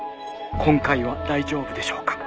今回は大丈夫でしょうか？